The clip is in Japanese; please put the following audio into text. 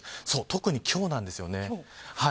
特に今日なんですよね。